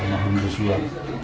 yang hukum yosua